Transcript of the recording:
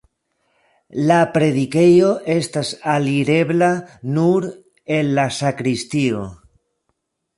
La predikejo estas alirebla nur el la sakristio.